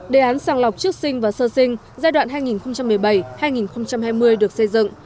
đề án sàng lọc trước sinh và sơ sinh giai đoạn hai nghìn một mươi bảy hai nghìn hai mươi được xây dựng